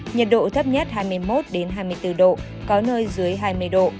nhiệt độ thấp nhất hai mươi một hai mươi bốn độ có nơi dưới hai mươi độ